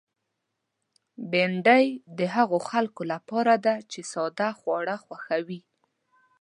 بېنډۍ د هغو خلکو لپاره ده چې ساده خواړه خوښوي